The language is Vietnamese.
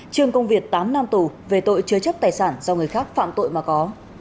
trương công việt tám năm tù về tội chứa chấp tài sản do người khác phạm tội mà có